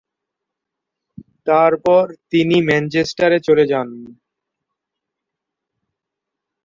তারপর তিনি ম্যানচেস্টারে চলে যান।